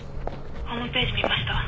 ホームページ見ました。